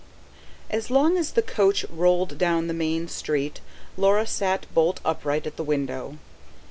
As long as the coach rolled down the main street Laura sat bolt upright at the window.